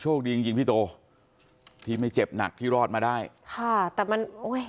ดีจริงจริงพี่โตที่ไม่เจ็บหนักที่รอดมาได้ค่ะแต่มันโอ้ย